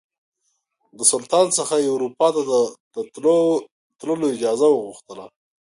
د سلطان څخه یې اروپا ته د تللو اجازه وغوښتله.